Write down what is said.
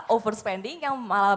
overspending yang malah